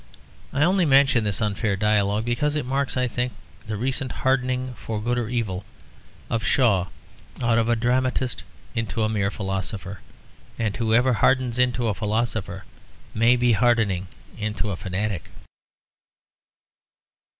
I only mention this unfair dialogue, because it marks, I think, the recent hardening, for good or evil, of Shaw out of a dramatist into a mere philosopher, and whoever hardens into a philosopher may be hardening into a fanatic.